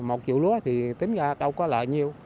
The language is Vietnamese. một vụ lúa tính ra đâu có lợi nhiều